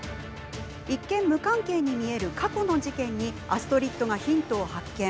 一見、無関係に見える過去の事件にアストリッドがヒントを発見。